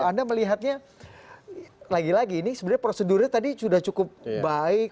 anda melihatnya lagi lagi ini sebenarnya prosedurnya tadi sudah cukup baik